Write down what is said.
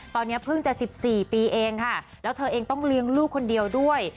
ตอนนี้เพิ่งจะ๑๔ปีเองค่ะแล้วเธอเองต้องเลี้ยงลูกคนเดียวด้วย